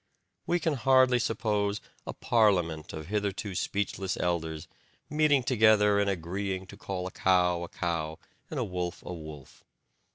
We can hardly suppose a parliament of hitherto speechless elders meeting together and agreeing to call a cow a cow and a wolf a wolf.